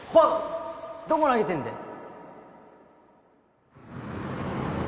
どこ投げてんだよ！